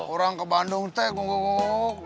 orang ke bandung teh gugup gugup